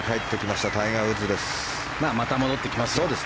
また戻ってきますよ。